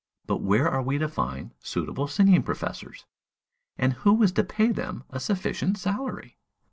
But where are we to find suitable singing professors, and who is to pay them a sufficient salary?